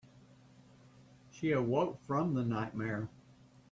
She awoke from the nightmare.